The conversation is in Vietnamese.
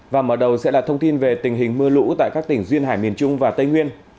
và mở đầu sẽ là thông tin về tình hình mưa lũ tại các tỉnh duyên hải miền trung và tây nguyên